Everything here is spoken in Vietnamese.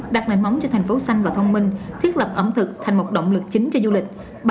đặt nền móng cho thành phố xanh và thông minh thiết lập ẩm thực thành một động lực chính cho du lịch